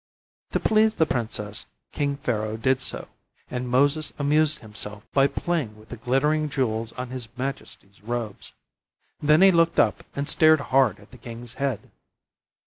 To please the princess, King Pharaoh did so, and Moses amused himself by playing with the glittering jewels on his majesty's robes. Then he looked up and stared hard at the king's head.